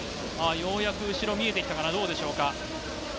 ようやく後ろ見えてきたかな、どうでしょうか。